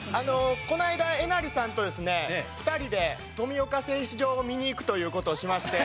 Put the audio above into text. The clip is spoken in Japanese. この間えなりさんとですね２人で富岡製糸場を見に行くという事をしまして。